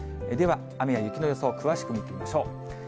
では、雨や雪の予想、詳しく見ていきましょう。